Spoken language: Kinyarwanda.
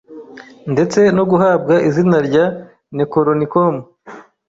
ndetse no guhabwa izina rya “nekoronikom